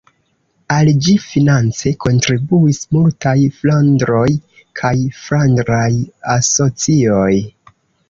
Al ĝi finance kontribuis multaj flandroj kaj flandraj asocioj.